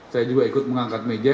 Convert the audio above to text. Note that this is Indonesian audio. saya juga ikut mengangkat meja